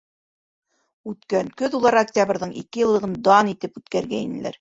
Үткән көҙ улар Октябрҙең ике йыллығын дан итеп үткәргәйнеләр.